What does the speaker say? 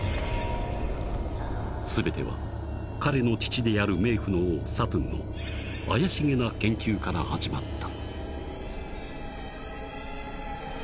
［全ては彼の父である冥府の王サトゥンの怪しげな研究から始まった］